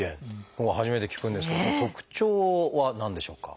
僕も初めて聞くんですけど特徴は何でしょうか？